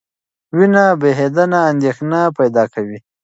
وینه بهېدنه اندېښنه پیدا کوي.